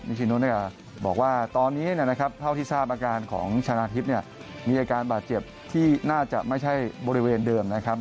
ชินุบอกว่าตอนนี้นะครับเท่าที่ทราบอาการของชนะทิพย์เนี่ยมีอาการบาดเจ็บที่น่าจะไม่ใช่บริเวณเดิมนะครับ